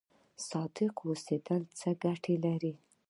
صادق اوسیدل څه ګټه لري؟